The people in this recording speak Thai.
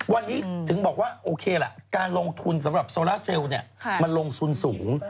วันนี้ถึงบอกว่าโอเคล่ะการลงทุนสำหรับโซล่าเซลล์มันลงทุนสูง